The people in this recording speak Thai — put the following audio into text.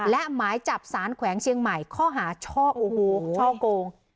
และหมายจับสารแขวงเชียงใหม่ข้อหาช่อโกง